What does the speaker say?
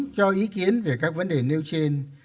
cho ý kiến về các vấn đề nêu trên